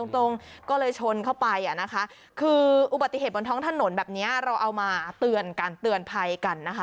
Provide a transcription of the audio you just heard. ตรงก็เลยชนเข้าไปนะคะคืออุบัติเหตุบนท้องถนนแบบนี้เราเอามาเตือนกันเตือนภัยกันนะคะ